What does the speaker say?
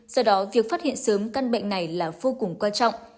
do đó việc phát hiện sớm căn bệnh này là vô cùng quan trọng